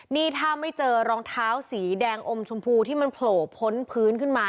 นี่ถ้าไม่เจอรองเท้าสีแดงอมชมพูที่มันโผล่พ้นพื้นขึ้นมา